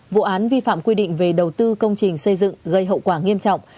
vụ án vi phạm quy định về đầu tư công trình xây dựng gây hậu quả nghiêm trọng